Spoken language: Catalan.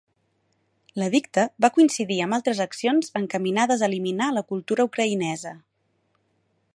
L'edicte va coincidir amb altres accions encaminades a eliminar la cultura ucraïnesa.